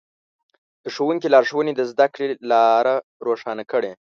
د ښوونکي لارښوونې د زده کړې لاره روښانه کړه.